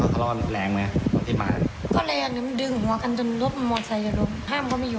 ดีกว่าแล้วคือท้อเสร็จคือเขาขับรถไปค้องน้ำ